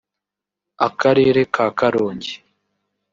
Akarere ka Karongi